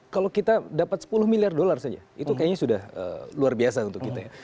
kalau kita dapat sepuluh miliar dolar saja itu kayaknya sudah luar biasa untuk kita ya